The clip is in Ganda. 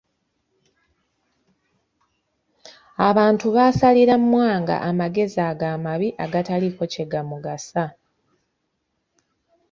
Abantu baasalira Mwanga amagezi ago amabi agataliiko kye gaamugasa.